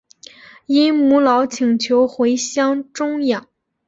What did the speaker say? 因母老请求回乡终养。